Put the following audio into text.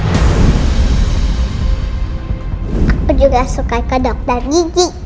aku juga suka ke dokter gigi